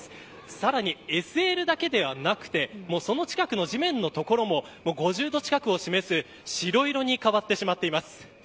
さらにＳＬだけではなくてその近くの地面の所も５０度近くを示す白色に変わってしまっています。